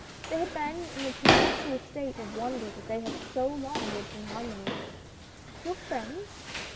They had been in a per petual state of wonder that they had so long lived in harmony. "Your friends?"